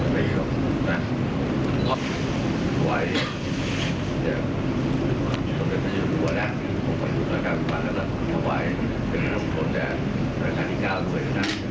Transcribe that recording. และก็ต้องช่วยทุกคนคือถุงคนการิการรวยนะคะ